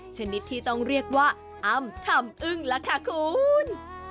ชนิดที่ต้องเรียกว่าอัมถำอึ้งระทะคูณ